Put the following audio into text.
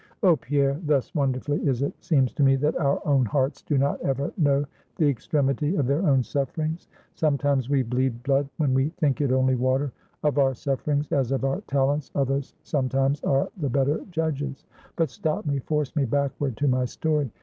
"Oh Pierre! thus wonderfully is it seems to me that our own hearts do not ever know the extremity of their own sufferings; sometimes we bleed blood, when we think it only water. Of our sufferings, as of our talents, others sometimes are the better judges. But stop me! force me backward to my story!